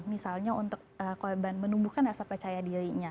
misalnya untuk korban menumbuhkan rasa percaya dirinya